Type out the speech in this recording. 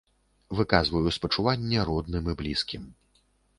Выказваю спачуванне родным і блізкім.